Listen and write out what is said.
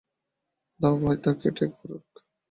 দাও ভাই, তার কেটে, একবার উড়ুক।